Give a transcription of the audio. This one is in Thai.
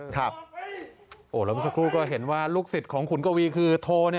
แล้วเมื่อสักครู่ก็เห็นว่าลูกศิษย์ของขุนกวีคือโท